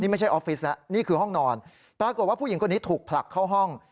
ไม่ใช่ออฟฟิศนะนี่คือห้องนอนปรากฏว่าผู้หญิงคนนี้ถูกผลักเข้าห้อง